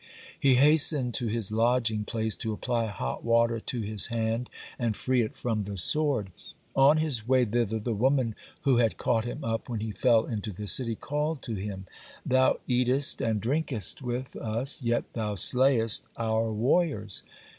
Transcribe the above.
He hastened to his lodging place to apply hot water to his hand and free it from the sword. On his way thither the woman who had caught him up when he fell into the city called to him: "Thou eatest and drinkest with us, yet thou slayest our warriors."